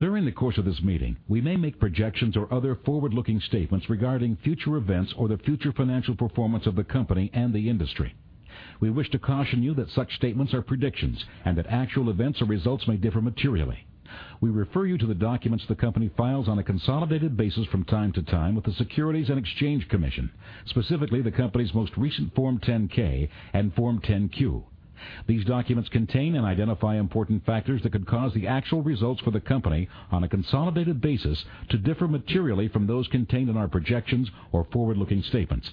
During the course of this meeting, we may make projections or other forward-looking statements regarding future events or the future financial performance of the company and the industry. We wish to caution you that such statements are predictions and that actual events or results may differ materially. We refer you to the documents the company files on a consolidated basis from time to time with the Securities and Exchange Commission, specifically the company's most recent Form 10-K and Form 10-Q. These documents contain and identify important factors that could cause the actual results for the company, on a consolidated basis, to differ materially from those contained in our projections or forward-looking statements.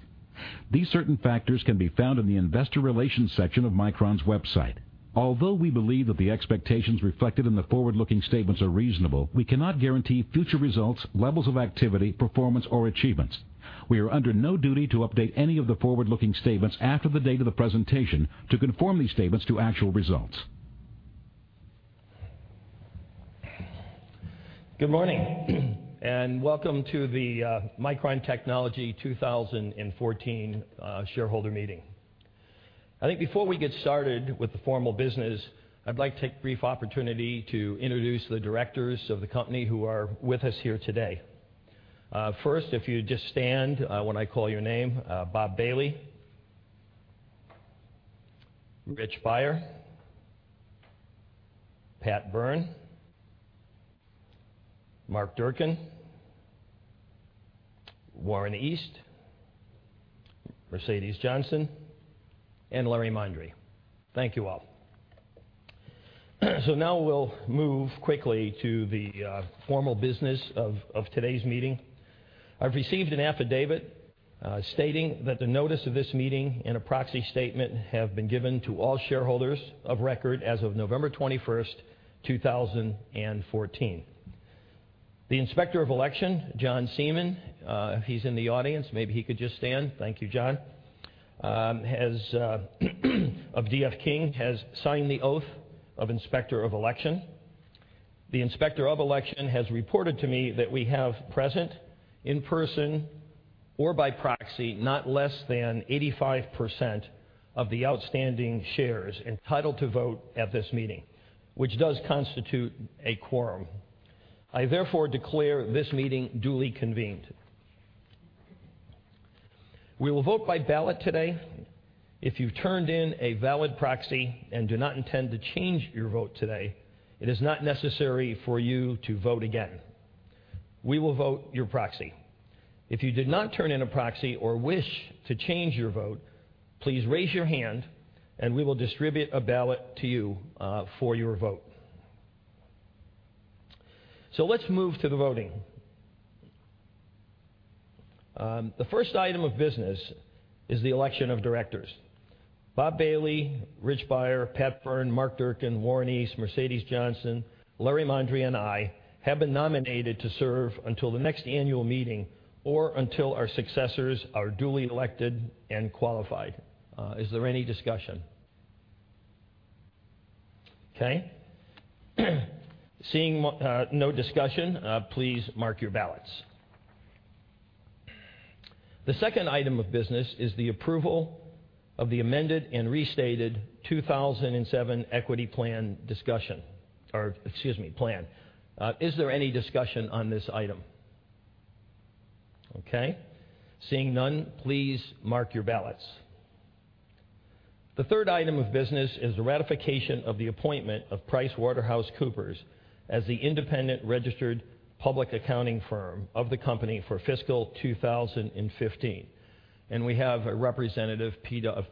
These certain factors can be found in the investor relations section of micron.com. Although we believe that the expectations reflected in the forward-looking statements are reasonable, we cannot guarantee future results, levels of activity, performance, or achievements. We are under no duty to update any of the forward-looking statements after the date of the presentation to conform these statements to actual results. Good morning, welcome to the Micron Technology 2014 Shareholder Meeting. I think before we get started with the formal business, I'd like to take a brief opportunity to introduce the directors of the company who are with us here today. First, if you'd just stand when I call your name. Bob Bailey, Rich Beyer, Pat Byrne, Mark Durcan, Warren East, Mercedes Johnson, and Larry Mondry. Thank you all. Now we'll move quickly to the formal business of today's meeting. I've received an affidavit stating that the notice of this meeting and a proxy statement have been given to all shareholders of record as of November 21st, 2014. The Inspector of Election, John Seaman, if he's in the audience, maybe he could just stand. Thank you, John. Of D.F. King, has signed the oath of Inspector of Election. The Inspector of Election has reported to me that we have present, in person or by proxy, not less than 85% of the outstanding shares entitled to vote at this meeting, which does constitute a quorum. I therefore declare this meeting duly convened. We will vote by ballot today. If you've turned in a valid proxy and do not intend to change your vote today, it is not necessary for you to vote again. We will vote your proxy. If you did not turn in a proxy or wish to change your vote, please raise your hand and we will distribute a ballot to you for your vote. Let's move to the voting. The first item of business is the election of directors. Robert L. Bailey, Richard M. Beyer, Patrick J. Byrne, Mark Durcan, Warren East, Mercedes Johnson, Larry Mondry, and I have been nominated to serve until the next annual meeting or until our successors are duly elected and qualified. Is there any discussion? Okay. Seeing no discussion, please mark your ballots. The second item of business is the approval of the amended and restated 2007 Equity Incentive Plan. Is there any discussion on this item? Okay. Seeing none, please mark your ballots. The third item of business is the ratification of the appointment of PricewaterhouseCoopers as the independent registered public accounting firm of the company for fiscal 2015. We have a representative of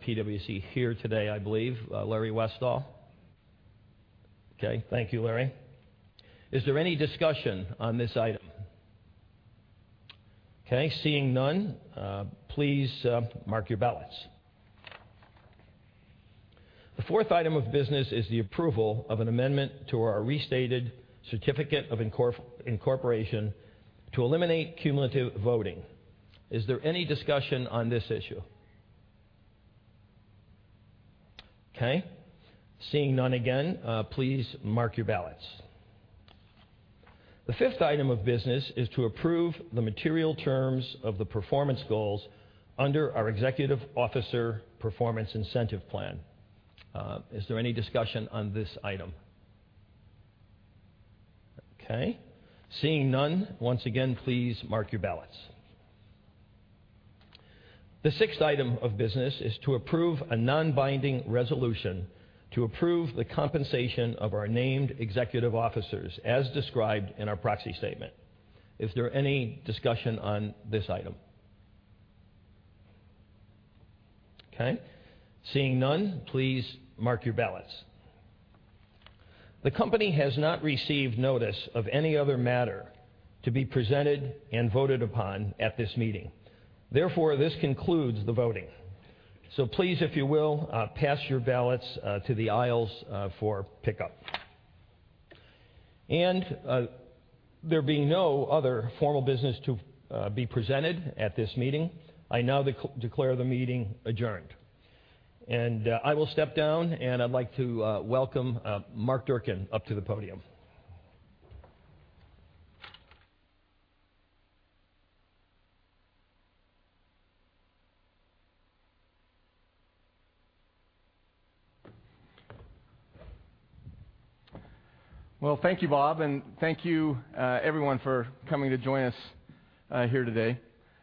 PwC here today, I believe, Larry Westall. Okay. Thank you, Larry. Is there any discussion on this item? Okay. Seeing none, please mark your ballots. The fourth item of business is the approval of an amendment to our restated certificate of incorporation to eliminate cumulative voting. Is there any discussion on this issue? Okay. Seeing none again, please mark your ballots. The fifth item of business is to approve the material terms of the performance goals under our Executive Officer Performance Incentive Plan. Is there any discussion on this item? Okay. Seeing none, once again, please mark your ballots. The sixth item of business is to approve a non-binding resolution to approve the compensation of our named executive officers as described in our proxy statement. Is there any discussion on this item? Okay. Seeing none, please mark your ballots. The company has not received notice of any other matter to be presented and voted upon at this meeting. This concludes the voting. Please, if you will, pass your ballots to the aisles for pickup. There being no other formal business to be presented at this meeting, I now declare the meeting adjourned. I will step down, and I'd like to welcome Mark Durcan up to the podium. Thank you, Bob, and thank you everyone for coming to join us here today.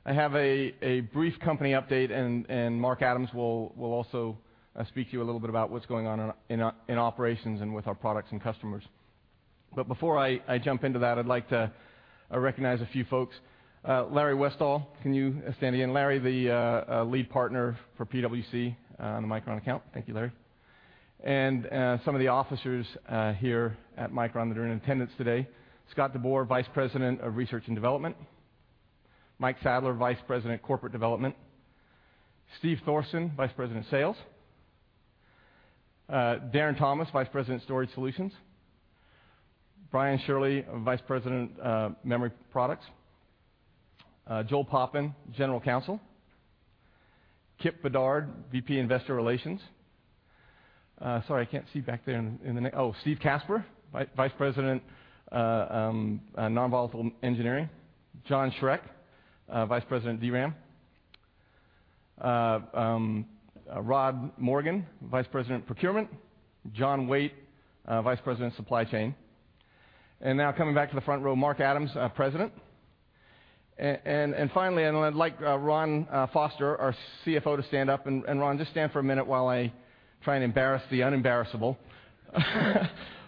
I have a brief company update, and Mark Adams will also speak to you a little bit about what's going on in operations and with our products and customers. Before I jump into that, I'd like to recognize a few folks. Larry Westall, can you stand again? Larry, the lead partner for PwC on the Micron account. Thank you, Larry. Some of the officers here at Micron that are in attendance today, Scott DeBoer, Vice President of Research and Development. Mike Sadler, Vice President of Corporate Development. Steve Thorsen, Vice President of Sales. Darren Thomas, Vice President of Storage Solutions. Brian Shirley, Vice President of Memory Products. Joel Poppen, General Counsel. Kipp Bedard, VP Investor Relations. Sorry, I can't see back there. Oh, Steve Casper, Vice President of Non-Volatile Engineering. John Schreck, Vice President of DRAM. Rod Morgan, Vice President of Procurement. John Waite, Vice President of Supply Chain. Now coming back to the front row, Mark Adams, President. Finally, I'd like Ron Foster, our CFO, to stand up. Ron, just stand for a minute while I try and embarrass the unembarrassable.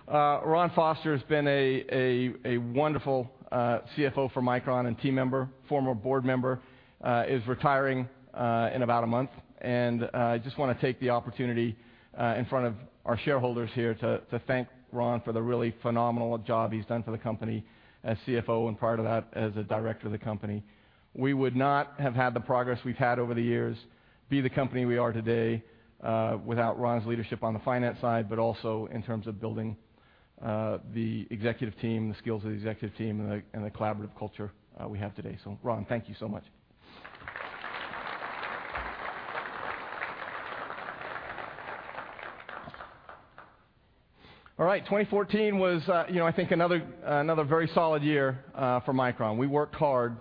Ron Foster has been a wonderful CFO for Micron and team member, former board member, is retiring in about a month. I just want to take the opportunity in front of our shareholders here to thank Ron for the really phenomenal job he's done for the company as CFO and prior to that as a director of the company. We would not have had the progress we've had over the years, be the company we are today, without Ron's leadership on the finance side, but also in terms of building the executive team, the skills of the executive team, and the collaborative culture we have today. Ron, thank you so much. All right. 2014 was I think, another very solid year for Micron. We worked hard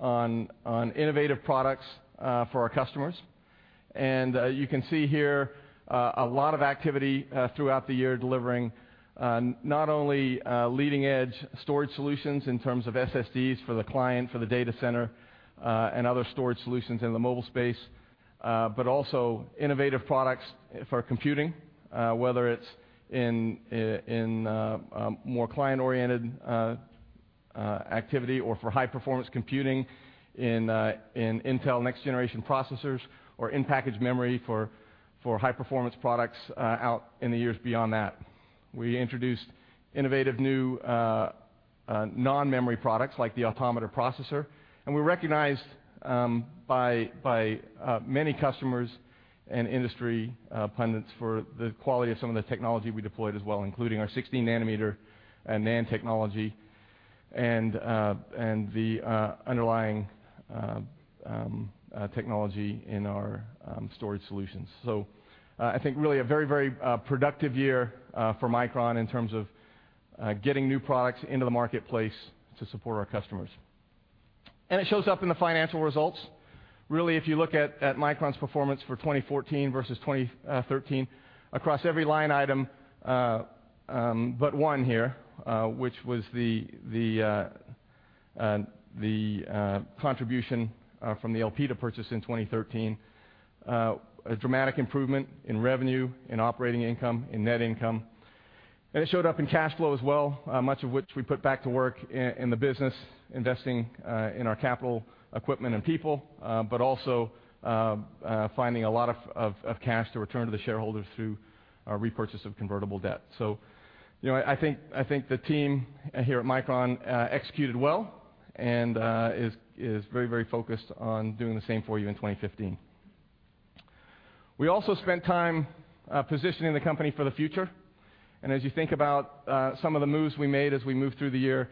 on innovative products for our customers. You can see here, a lot of activity throughout the year, delivering not only leading-edge storage solutions in terms of SSDs for the client, for the data center, and other storage solutions in the mobile space, but also innovative products for computing. Whether it's in more client-oriented activity or for high-performance computing in Intel next-generation processors or in package memory for high-performance products out in the years beyond that. We introduced innovative new non-memory products, like the Automata Processor. We're recognized by many customers and industry pundits for the quality of some of the technology we deployed as well, including our 16 nanometer NAND technology and the underlying technology in our storage solutions. I think really a very productive year for Micron in terms of getting new products into the marketplace to support our customers. It shows up in the financial results. Really, if you look at Micron's performance for 2014 versus 2013, across every line item but one here, which was the contribution from the Elpida purchase in 2013. A dramatic improvement in revenue, in operating income, in net income. It showed up in cash flow as well, much of which we put back to work in the business investing in our capital equipment and people. Also finding a lot of cash to return to the shareholders through our repurchase of convertible debt. I think the team here at Micron executed well and is very focused on doing the same for you in 2015. We also spent time positioning the company for the future, as you think about some of the moves we made as we moved through the year,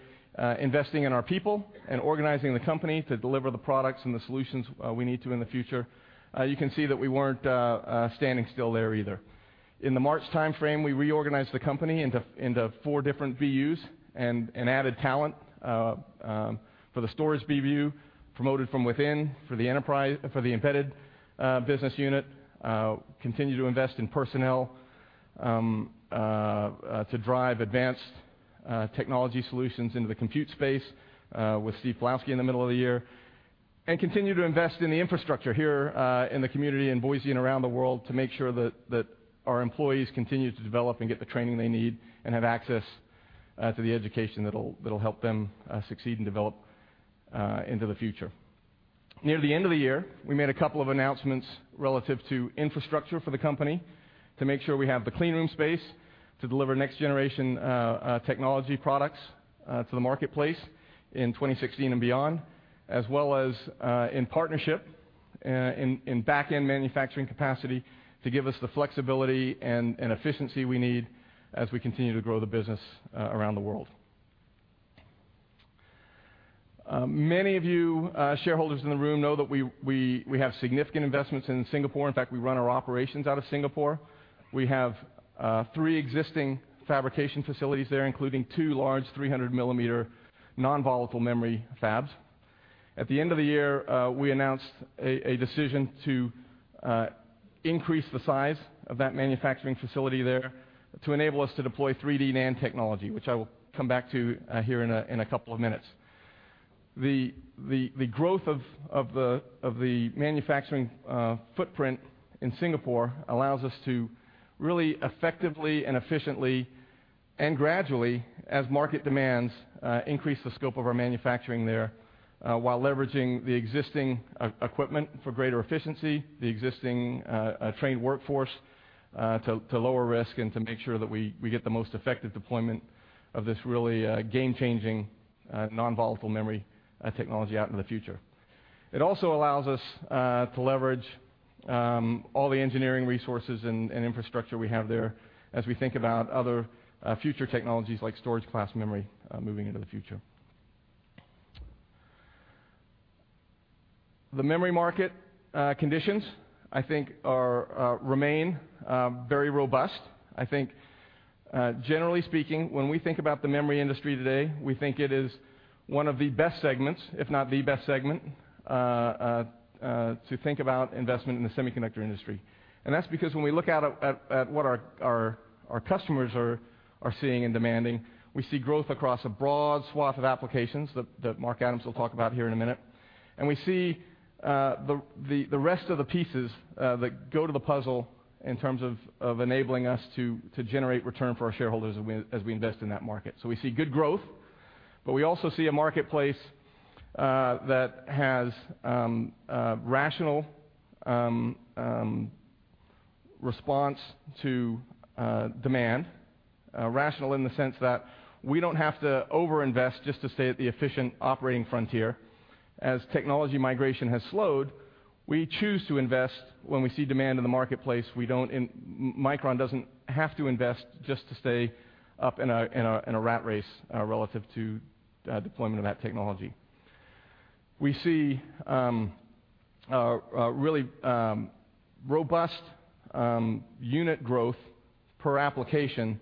investing in our people and organizing the company to deliver the products and the solutions we need to in the future, you can see that we weren't standing still there either. In the March timeframe, we reorganized the company into 4 different BUs and added talent. For the storage BU, promoted from within. For the embedded business unit, continue to invest in personnel, to drive advanced technology solutions into the compute space with Steve Pawlowski in the middle of the year. Continue to invest in the infrastructure here in the community, in Boise and around the world, to make sure that our employees continue to develop and get the training they need and have access to the education that'll help them succeed and develop into the future. Near the end of the year, we made a couple of announcements relative to infrastructure for the company to make sure we have the clean room space to deliver next-generation technology products to the marketplace in 2016 and beyond. As well as in partnership in back-end manufacturing capacity to give us the flexibility and efficiency we need as we continue to grow the business around the world. Many of you shareholders in the room know that we have significant investments in Singapore. In fact, we run our operations out of Singapore. We have three existing fabrication facilities there, including two large 300-millimeter non-volatile memory fabs. At the end of the year, we announced a decision to increase the size of that manufacturing facility there to enable us to deploy 3D NAND technology, which I will come back to here in a couple of minutes. The growth of the manufacturing footprint in Singapore allows us to really effectively and efficiently, and gradually as market demands, increase the scope of our manufacturing there while leveraging the existing equipment for greater efficiency, the existing trained workforce to lower risk, and to make sure that we get the most effective deployment of this really game-changing non-volatile memory technology out in the future. It also allows us to leverage all the engineering resources and infrastructure we have there as we think about other future technologies like storage class memory moving into the future. The memory market conditions, I think remain very robust. I think generally speaking, when we think about the memory industry today, we think it is one of the best segments, if not the best segment, to think about investment in the semiconductor industry. That's because when we look at what our customers are seeing and demanding, we see growth across a broad swath of applications that Mark Adams will talk about here in a minute. We see the rest of the pieces that go to the puzzle in terms of enabling us to generate return for our shareholders as we invest in that market. We see good growth, but we also see a marketplace that has a rational response to demand. Rational in the sense that we don't have to overinvest just to stay at the efficient operating frontier. As technology migration has slowed, we choose to invest when we see demand in the marketplace. Micron doesn't have to invest just to stay up in a rat race relative to deployment of that technology. We see a really robust unit growth per application,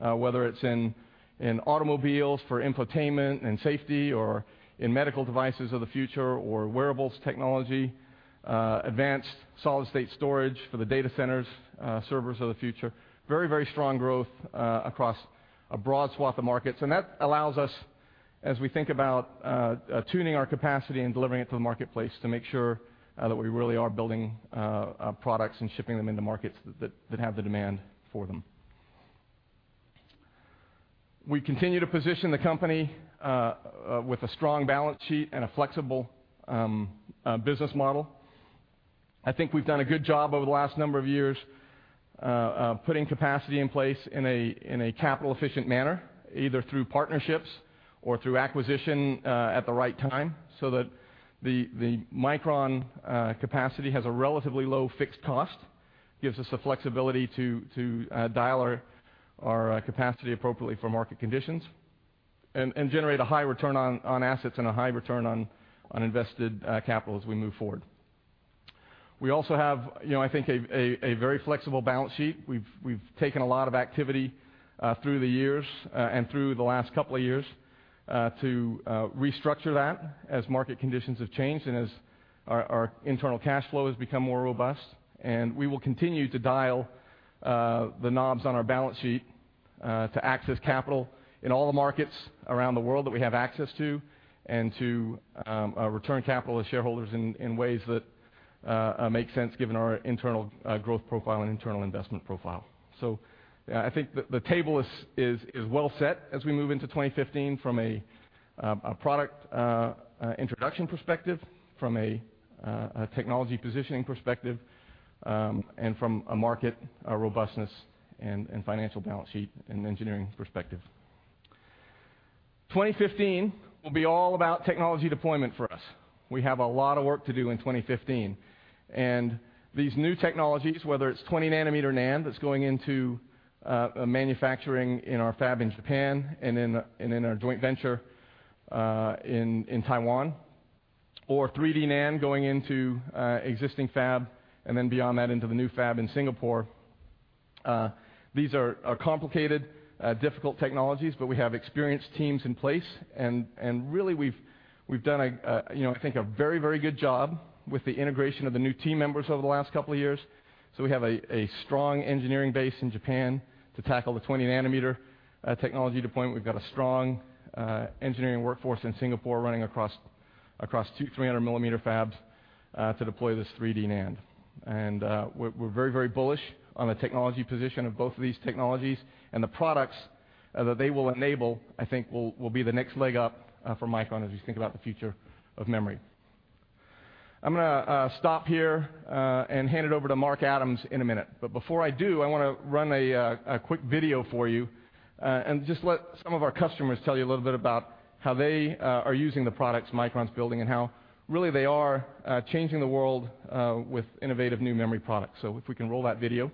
whether it's in automobiles for infotainment and safety or in medical devices of the future or wearables technology, advanced solid-state storage for the data centers, servers of the future. Very strong growth across a broad swath of markets. That allows us, as we think about tuning our capacity and delivering it to the marketplace, to make sure that we really are building products and shipping them into markets that have the demand for them. We continue to position the company with a strong balance sheet and a flexible business model. I think we've done a good job over the last number of years putting capacity in place in a capital-efficient manner, either through partnerships or through acquisition at the right time so that the Micron capacity has a relatively low fixed cost, gives us the flexibility to dial our capacity appropriately for market conditions, and generate a high return on assets and a high return on invested capital as we move forward. We also have, I think, a very flexible balance sheet. We've taken a lot of activity through the years and through the last couple of years to restructure that as market conditions have changed and as our internal cash flow has become more robust. We will continue to dial the knobs on our balance sheet to access capital in all the markets around the world that we have access to, and to return capital to shareholders in ways that make sense given our internal growth profile and internal investment profile. I think the table is well set as we move into 2015 from a product introduction perspective, from a technology positioning perspective, and from a market robustness and financial balance sheet and engineering perspective. 2015 will be all about technology deployment for us. We have a lot of work to do in 2015. These new technologies, whether it's 20 nanometer NAND that's going into manufacturing in our fab in Japan and in our joint venture in Taiwan, or 3D NAND going into existing fab, and then beyond that into the new fab in Singapore. These are complicated, difficult technologies, but we have experienced teams in place. Really, we've done, I think, a very good job with the integration of the new team members over the last couple of years. We have a strong engineering base in Japan to tackle the 20 nanometer technology deployment. We've got a strong engineering workforce in Singapore running across two 300-millimeter fabs to deploy this 3D NAND. We're very bullish on the technology position of both of these technologies and the products that they will enable, I think will be the next leg up for Micron as we think about the future of memory. I'm going to stop here and hand it over to Mark Adams in a minute. Before I do, I want to run a quick video for you and just let some of our customers tell you a little bit about how they are using the products Micron's building and how really they are changing the world with innovative new memory products. If we can roll that video.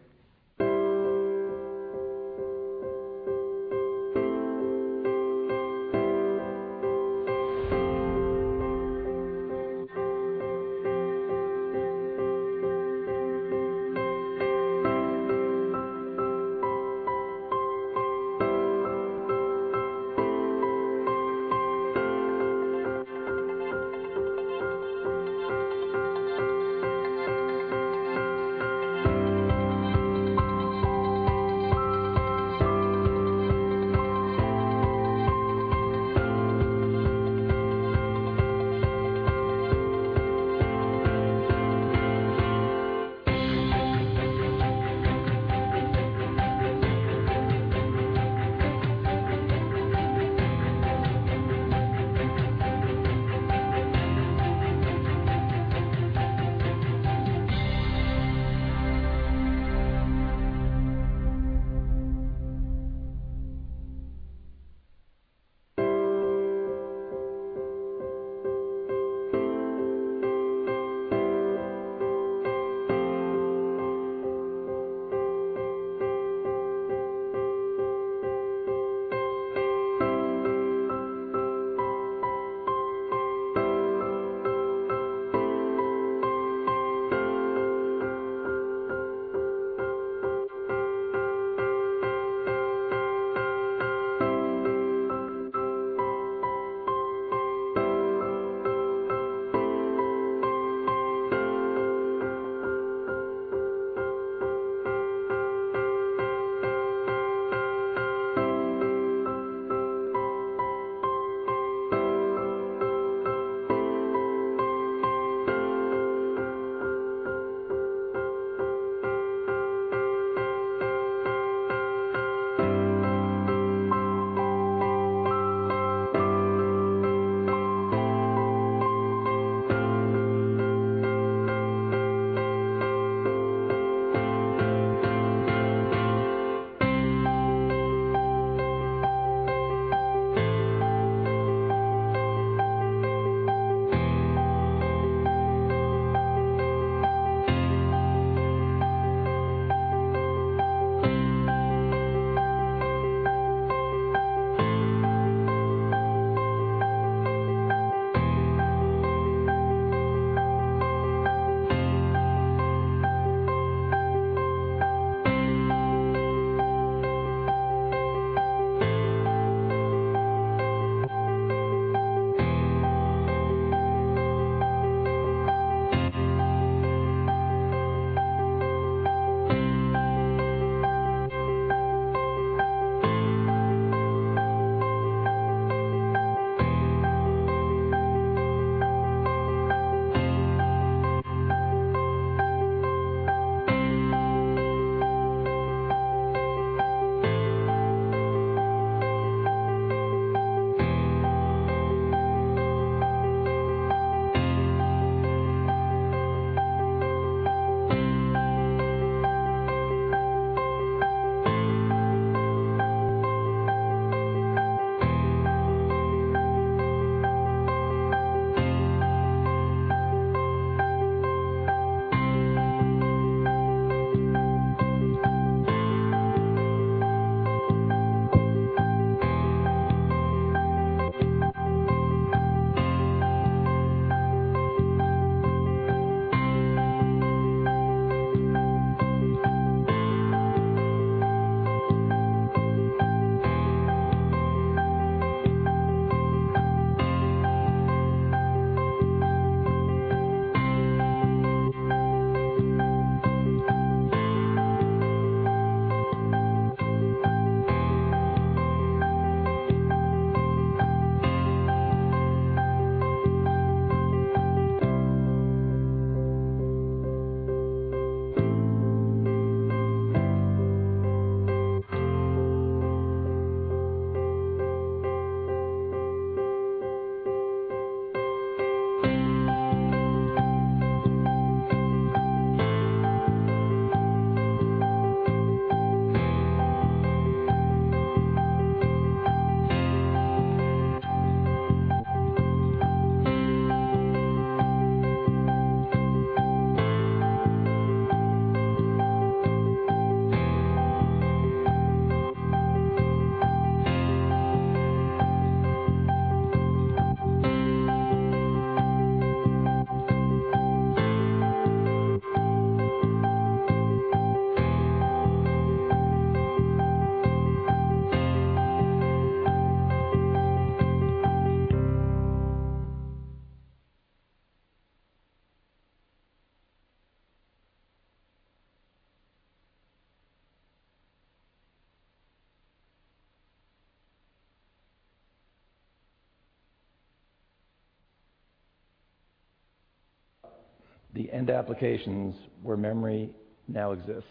The end applications where memory now exists.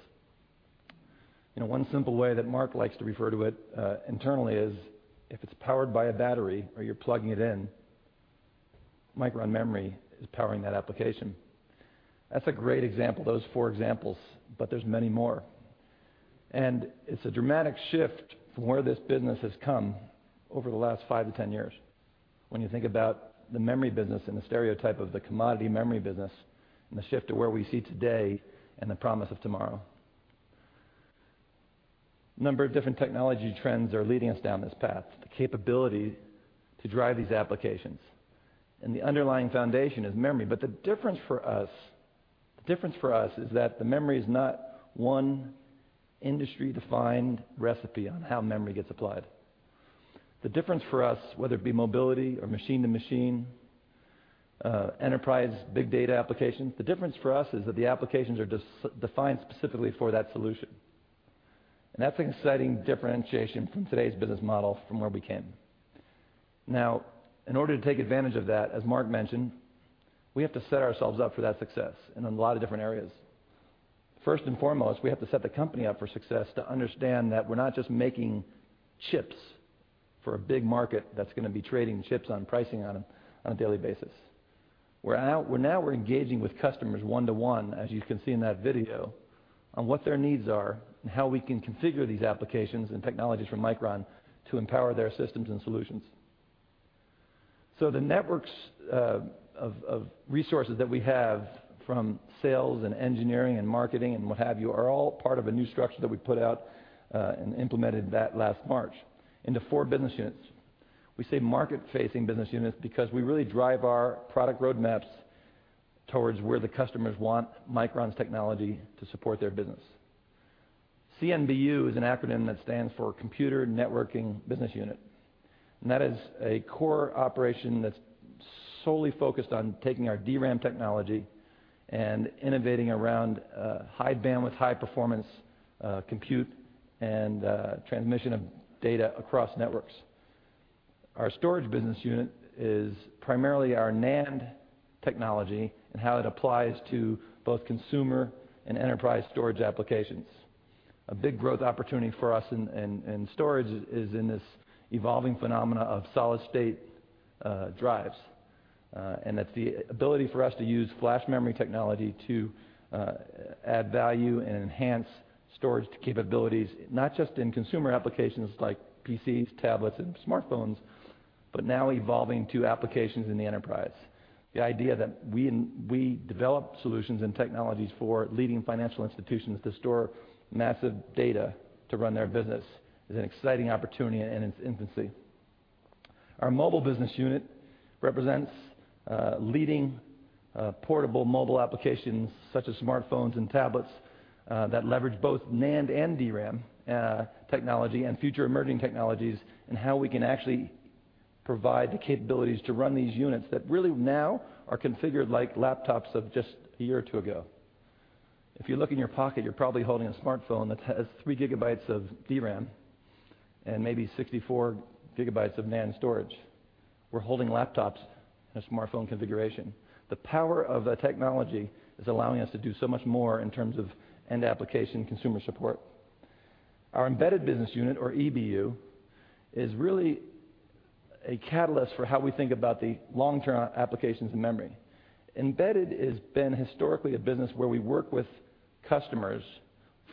One simple way that Mark likes to refer to it internally is if it's powered by a battery or you're plugging it in, Micron memory is powering that application. That's a great example, those four examples, but there's many more. It's a dramatic shift from where this business has come over the last five to 10 years when you think about the memory business and the stereotype of the commodity memory business and the shift to where we see today and the promise of tomorrow. A number of different technology trends are leading us down this path, the capability to drive these applications, and the underlying foundation is memory. The difference for us is that the memory is not one industry-defined recipe on how memory gets applied. The difference for us, whether it be mobility or machine-to-machine, enterprise big data applications, the difference for us is that the applications are defined specifically for that solution. That's an exciting differentiation from today's business model from where we came. In order to take advantage of that, as Mark mentioned, we have to set ourselves up for that success in a lot of different areas. First and foremost, we have to set the company up for success to understand that we're not just making chips for a big market that's going to be trading chips on pricing on a daily basis. We're engaging with customers one-to-one, as you can see in that video, on what their needs are and how we can configure these applications and technologies from Micron to empower their systems and solutions. The networks of resources that we have from sales and engineering and marketing and what have you, are all part of a new structure that we put out, and implemented that last March into four business units. We say market-facing business units because we really drive our product roadmaps towards where the customers want Micron's technology to support their business. CNBU is an acronym that stands for Computer Networking Business Unit. That is a core operation that's solely focused on taking our DRAM technology and innovating around high bandwidth, high-performance compute, and transmission of data across networks. Our storage business unit is primarily our NAND technology and how it applies to both consumer and enterprise storage applications. A big growth opportunity for us in storage is in this evolving phenomena of solid-state drives. That's the ability for us to use flash memory technology to add value and enhance storage capabilities, not just in consumer applications like PCs, tablets, and smartphones, but now evolving to applications in the enterprise. The idea that we develop solutions and technologies for leading financial institutions to store massive data to run their business is an exciting opportunity in its infancy. Our mobile business unit represents leading portable mobile applications such as smartphones and tablets, that leverage both NAND and DRAM technology and future emerging technologies, and how we can actually provide the capabilities to run these units that really now are configured like laptops of just a year or two ago. If you look in your pocket, you're probably holding a smartphone that has three gigabytes of DRAM and maybe 64 gigabytes of NAND storage. We're holding laptops in a smartphone configuration. The power of the technology is allowing us to do so much more in terms of end application consumer support. Our embedded business unit, or EBU, is really a catalyst for how we think about the long-term applications of memory. Embedded has been historically a business where we work with customers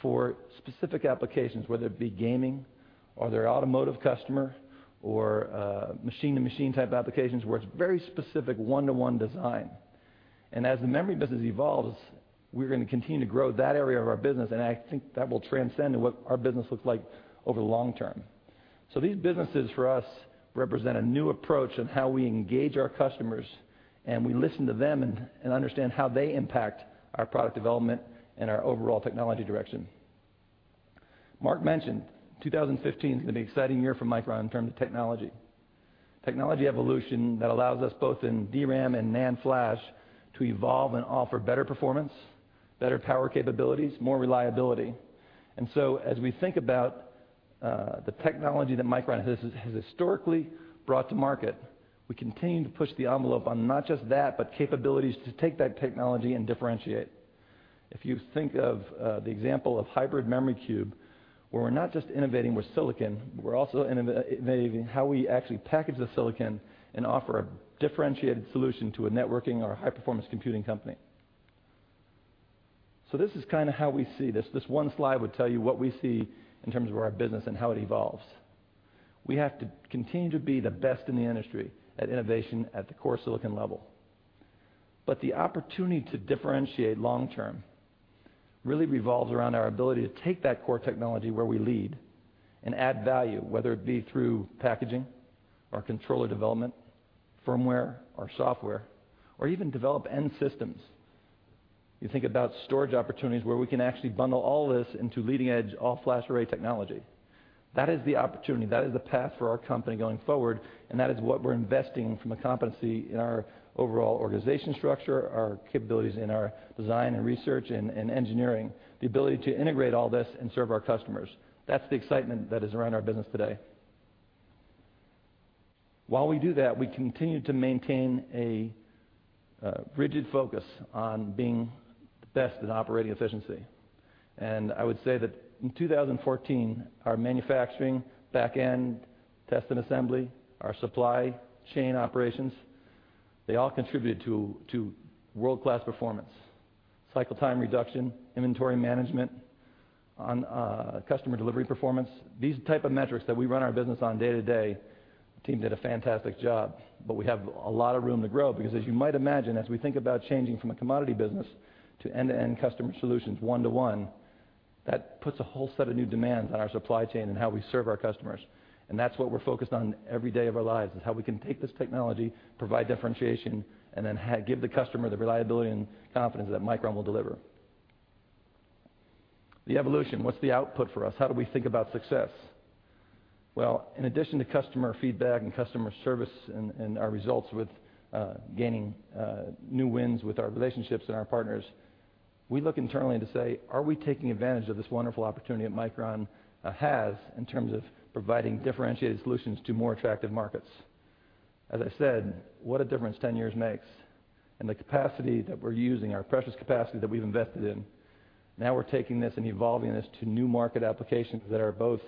for specific applications, whether it be gaming or they're an automotive customer or machine-to-machine type applications where it's very specific one-to-one design. As the memory business evolves, we're going to continue to grow that area of our business, and I think that will transcend in what our business looks like over the long term. These businesses, for us, represent a new approach of how we engage our customers, and we listen to them and understand how they impact our product development and our overall technology direction. Mark mentioned 2015 is going to be an exciting year for Micron in terms of technology. Technology evolution that allows us both in DRAM and NAND flash to evolve and offer better performance, better power capabilities, more reliability. As we think about the technology that Micron has historically brought to market, we continue to push the envelope on not just that, but capabilities to take that technology and differentiate. If you think of the example of Hybrid Memory Cube, where we're not just innovating with silicon, we're also innovating how we actually package the silicon and offer a differentiated solution to a networking or high-performance computing company. This is how we see this. This one slide would tell you what we see in terms of our business and how it evolves. We have to continue to be the best in the industry at innovation at the core silicon level. The opportunity to differentiate long term really revolves around our ability to take that core technology where we lead and add value, whether it be through packaging or controller development, firmware or software, or even develop end systems. You think about storage opportunities where we can actually bundle all this into leading-edge all-flash array technology. That is the opportunity. That is the path for our company going forward, and that is what we're investing from a competency in our overall organization structure, our capabilities in our design and research and engineering, the ability to integrate all this and serve our customers. That's the excitement that is around our business today. While we do that, we continue to maintain a rigid focus on being the best in operating efficiency. I would say that in 2014, our manufacturing, back-end test and assembly, our supply chain operations, they all contributed to world-class performance. Cycle time reduction, inventory management, customer delivery performance. These type of metrics that we run our business on day to day, team did a fantastic job, but we have a lot of room to grow because as you might imagine, as we think about changing from a commodity business to end-to-end customer solutions one to one. That puts a whole set of new demands on our supply chain and how we serve our customers. That's what we're focused on every day of our lives, is how we can take this technology, provide differentiation, and then give the customer the reliability and confidence that Micron will deliver. The evolution, what's the output for us? How do we think about success? Well, in addition to customer feedback and customer service and our results with gaining new wins with our relationships and our partners, we look internally to say, are we taking advantage of this wonderful opportunity that Micron has in terms of providing differentiated solutions to more attractive markets? As I said, what a difference 10 years makes. The capacity that we're using, our precious capacity that we've invested in, now we're taking this and evolving this to new market applications that are both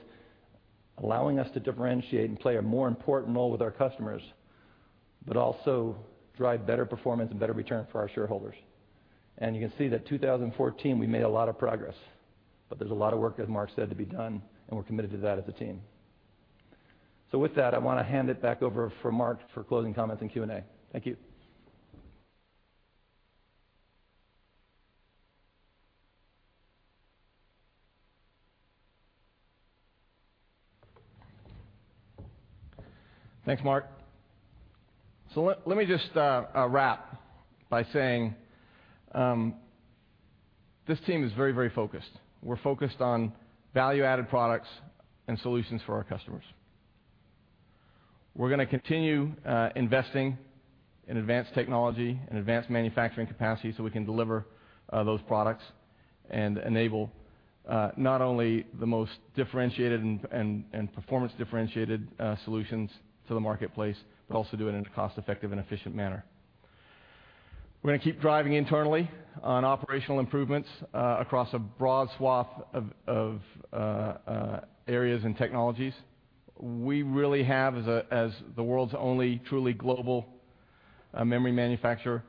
allowing us to differentiate and play a more important role with our customers, but also drive better performance and better return for our shareholders. You can see that 2014, we made a lot of progress, but there's a lot of work, as Mark said, to be done, and we're committed to that as a team. With that, I want to hand it back over for Mark for closing comments and Q&A. Thank you. Thanks, Mark. Let me just wrap by saying, this team is very focused. We're focused on value-added products and solutions for our customers. We're going to continue investing in advanced technology and advanced manufacturing capacity so we can deliver those products and enable not only the most differentiated and performance differentiated solutions to the marketplace, but also do it in a cost-effective and efficient manner. We're going to keep driving internally on operational improvements across a broad swath of areas and technologies. We really have, as the world's only truly global memory manufacturer,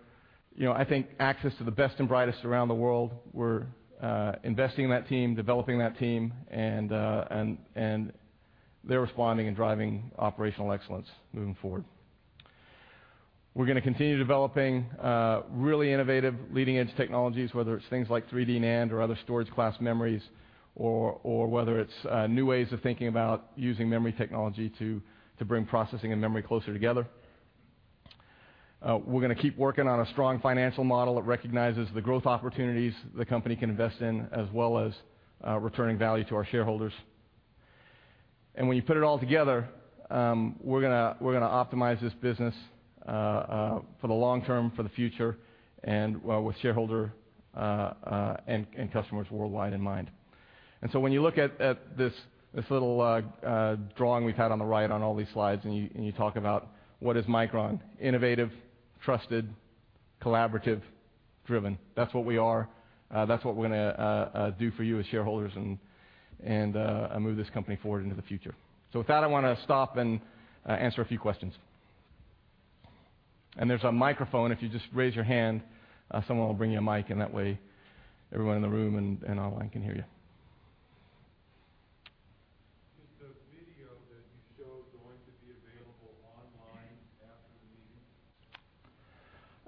I think access to the best and brightest around the world. We're investing in that team, developing that team, and they're responding and driving operational excellence moving forward. We're going to continue developing really innovative leading-edge technologies, whether it's things like 3D NAND or other storage class memories, or whether it's new ways of thinking about using memory technology to bring processing and memory closer together. We're going to keep working on a strong financial model that recognizes the growth opportunities the company can invest in, as well as returning value to our shareholders. When you put it all together, we're going to optimize this business for the long term, for the future, and with shareholder and customers worldwide in mind. When you look at this little drawing we've had on the right on all these slides, and you talk about what is Micron, innovative, trusted, collaborative, driven. That's what we are. That's what we're going to do for you as shareholders and move this company forward into the future. With that, I want to stop and answer a few questions. There's a microphone. If you just raise your hand, someone will bring you a mic, and that way everyone in the room and online can hear you. Is the video that you showed going to be available online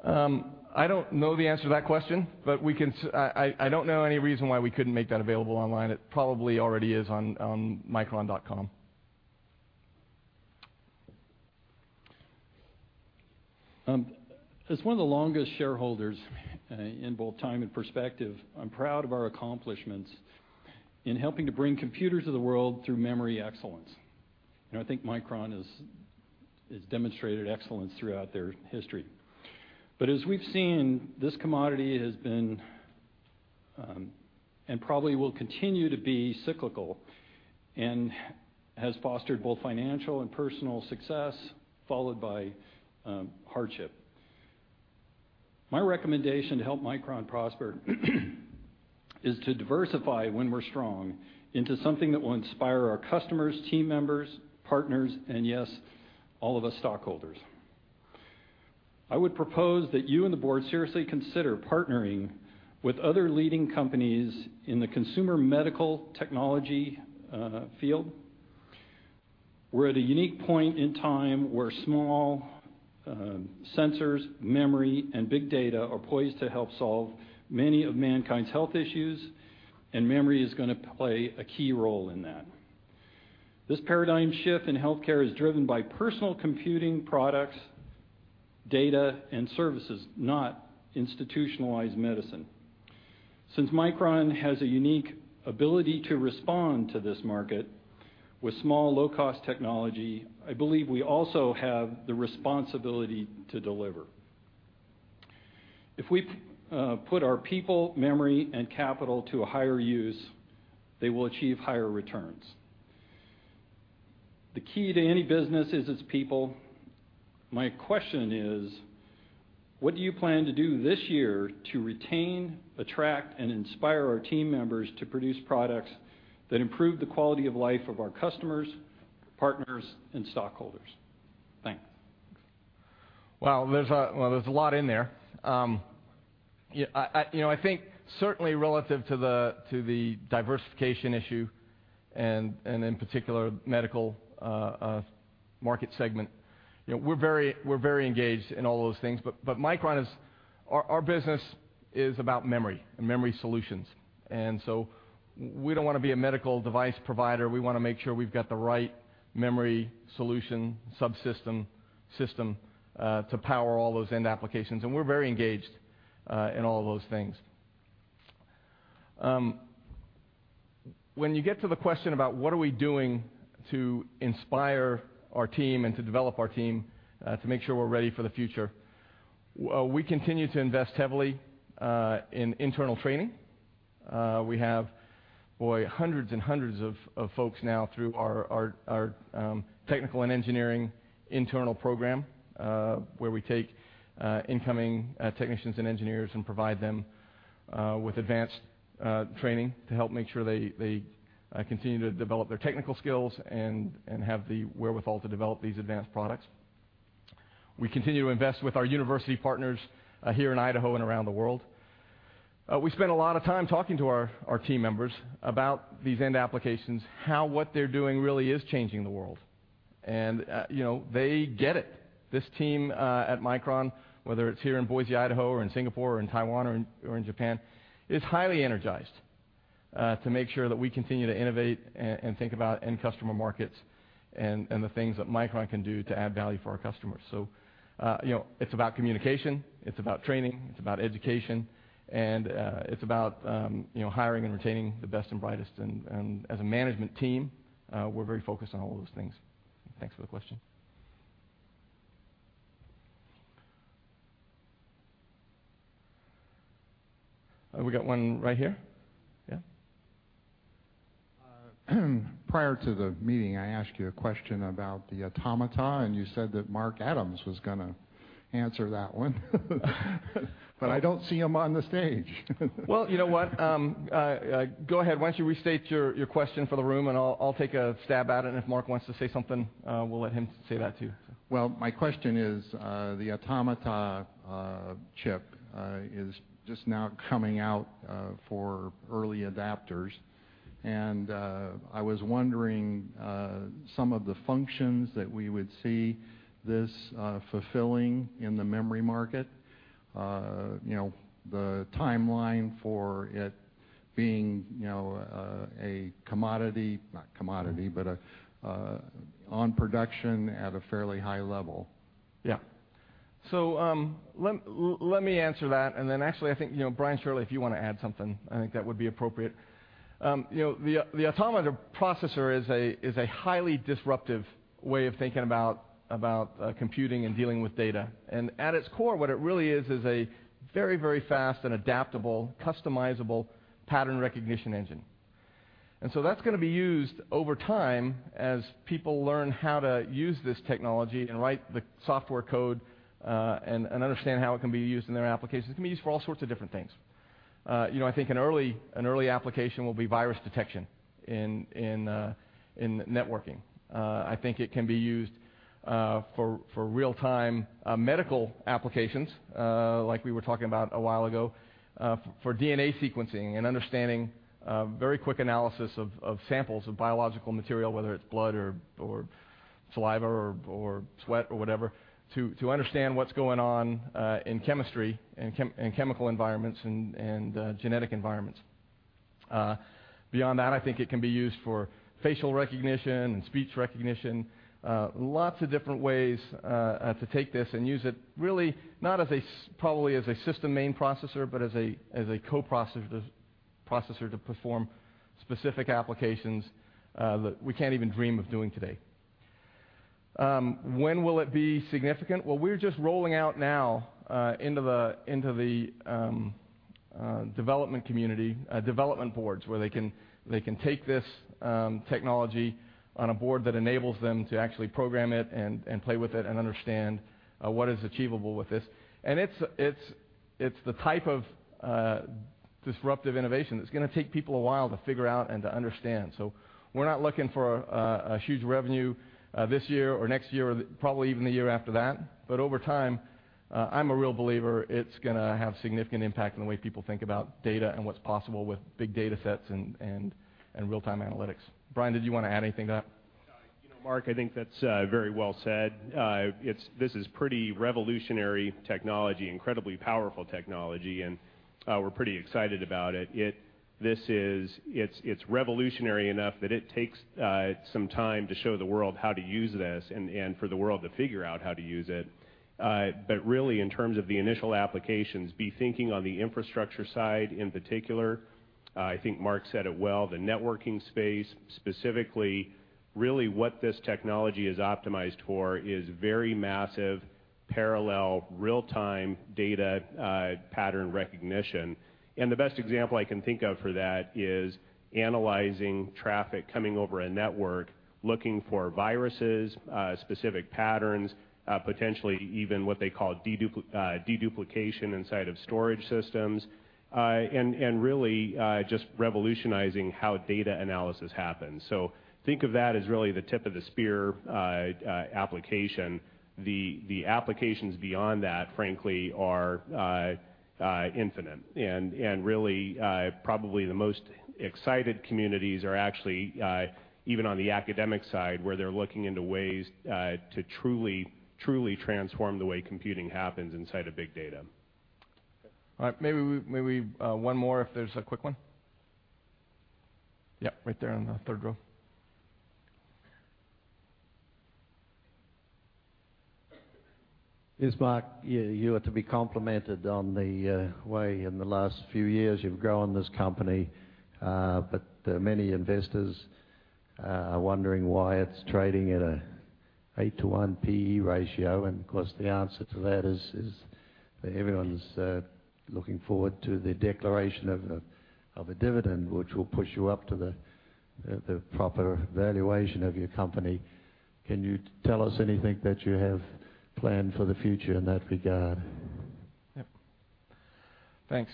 after the meeting? I don't know the answer to that question. I don't know any reason why we couldn't make that available online. It probably already is on micron.com. As one of the longest shareholders in both time and perspective, I'm proud of our accomplishments in helping to bring computers to the world through memory excellence. I think Micron has demonstrated excellence throughout their history. As we've seen, this commodity has been, and probably will continue to be cyclical, and has fostered both financial and personal success, followed by hardship. My recommendation to help Micron prosper is to diversify when we're strong into something that will inspire our customers, team members, partners, and yes, all of us stockholders. I would propose that you and the board seriously consider partnering with other leading companies in the consumer medical technology field. We're at a unique point in time where small sensors, memory, and big data are poised to help solve many of mankind's health issues, and memory is going to play a key role in that. This paradigm shift in healthcare is driven by personal computing products, data, and services, not institutionalized medicine. Since Micron has a unique ability to respond to this market with small, low-cost technology, I believe we also have the responsibility to deliver. If we put our people, memory, and capital to a higher use, they will achieve higher returns. The key to any business is its people. My question is, what do you plan to do this year to retain, attract, and inspire our team members to produce products that improve the quality of life of our customers, partners, and stockholders? Thanks. Well, there's a lot in there. I think certainly relative to the diversification issue. In particular, medical market segment. We're very engaged in all those things. Micron, our business is about memory and memory solutions. We don't want to be a medical device provider, we want to make sure we've got the right memory solution subsystem to power all those end applications, and we're very engaged in all of those things. When you get to the question about what are we doing to inspire our team and to develop our team to make sure we're ready for the future, we continue to invest heavily in internal training. We have, boy, hundreds and hundreds of folks now through our technical and engineering internal program, where we take incoming technicians and engineers and provide them with advanced training to help make sure they continue to develop their technical skills and have the wherewithal to develop these advanced products. We continue to invest with our university partners here in Idaho and around the world. We spend a lot of time talking to our team members about these end applications, how what they're doing really is changing the world. They get it. This team at Micron, whether it's here in Boise, Idaho or in Singapore or in Taiwan or in Japan, is highly energized to make sure that we continue to innovate and think about end customer markets and the things that Micron can do to add value for our customers. It's about communication, it's about training, it's about education, and it's about hiring and retaining the best and brightest. As a management team, we're very focused on all of those things. Thanks for the question. We got one right here. Yeah. Prior to the meeting, I asked you a question about the Automata, you said that Mark Adams was going to answer that one. I don't see him on the stage. You know what? Go ahead. Why don't you restate your question for the room, I'll take a stab at it. If Mark wants to say something, we'll let him say that, too. My question is, the Automata chip is just now coming out for early adopters. I was wondering some of the functions that we would see this fulfilling in the memory market, the timeline for it being a commodity, not commodity, but on production at a fairly high level. Yeah. Let me answer that, actually, I think, Brian Shirley, if you want to add something, I think that would be appropriate. The Automata Processor is a highly disruptive way of thinking about computing and dealing with data. At its core, what it really is a very, very fast and adaptable, customizable pattern recognition engine. That's going to be used over time as people learn how to use this technology and write the software code, and understand how it can be used in their applications. It can be used for all sorts of different things. I think an early application will be virus detection in networking. I think it can be used for real-time medical applications, like we were talking about a while ago, for DNA sequencing and understanding very quick analysis of samples of biological material, whether it's blood or saliva or sweat or whatever, to understand what's going on in chemistry and chemical environments and genetic environments. Beyond that, I think it can be used for facial recognition and speech recognition. Lots of different ways to take this and use it really not probably as a system main processor, but as a co-processor to perform specific applications that we can't even dream of doing today. When will it be significant? Well, we're just rolling out now into the development community development boards where they can take this technology on a board that enables them to actually program it and play with it and understand what is achievable with this. It's the type of disruptive innovation that's going to take people a while to figure out and to understand. We're not looking for a huge revenue this year or next year or probably even the year after that. Over time, I'm a real believer it's going to have significant impact on the way people think about data and what's possible with big data sets and real-time analytics. Brian, did you want to add anything to that? Mark, I think that's very well said. This is pretty revolutionary technology, incredibly powerful technology, and we're pretty excited about it. It's revolutionary enough that it takes some time to show the world how to use this and for the world to figure out how to use it. Really, in terms of the initial applications, be thinking on the infrastructure side in particular. I think Mark said it well, the networking space specifically, really what this technology is optimized for is very massive parallel real-time data pattern recognition. The best example I can think of for that is analyzing traffic coming over a network, looking for viruses, specific patterns, potentially even what they call deduplication inside of storage systems, and really just revolutionizing how data analysis happens. Think of that as really the tip-of-the-spear application. The applications beyond that, frankly, are infinite. Really probably the most excited communities are actually even on the academic side, where they're looking into ways to truly transform the way computing happens inside of big data. All right. Maybe one more if there's a quick one. Yeah, right there in the third row. Yes, Mark, you are to be complimented on the way in the last few years you've grown this company. Many investors are wondering why it's trading at an 8:1 P/E ratio. Of course, the answer to that is that everyone's looking forward to the declaration of a dividend, which will push you up to the proper valuation of your company. Can you tell us anything that you have planned for the future in that regard? Yeah. Thanks.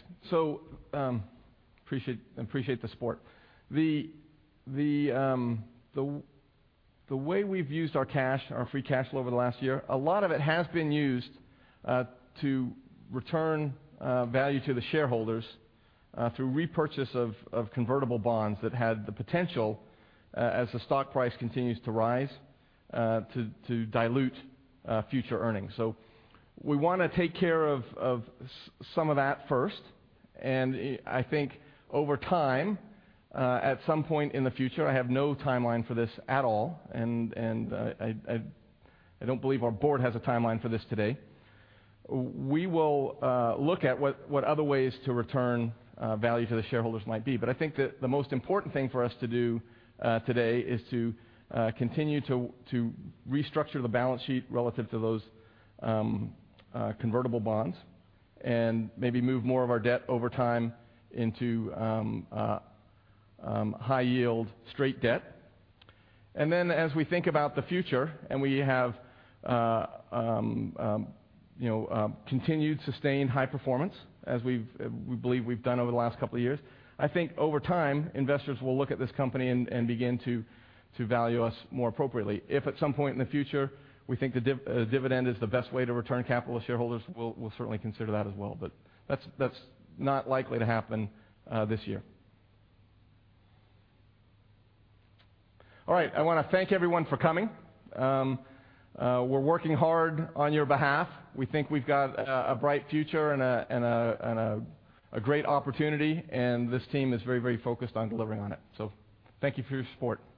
Appreciate the support. The way we've used our free cash flow over the last year, a lot of it has been used to return value to the shareholders through repurchase of convertible bonds that had the potential, as the stock price continues to rise, to dilute future earnings. We want to take care of some of that first, and I think over time, at some point in the future, I have no timeline for this at all, and I don't believe our board has a timeline for this today. We will look at what other ways to return value to the shareholders might be. I think that the most important thing for us to do today is to continue to restructure the balance sheet relative to those convertible bonds and maybe move more of our debt over time into high-yield straight debt. As we think about the future and we have continued sustained high performance, as we believe we've done over the last couple of years, I think over time, investors will look at this company and begin to value us more appropriately. If at some point in the future we think the dividend is the best way to return capital to shareholders, we'll certainly consider that as well. That's not likely to happen this year. All right. I want to thank everyone for coming. We're working hard on your behalf. We think we've got a bright future and a great opportunity, and this team is very focused on delivering on it. Thank you for your support.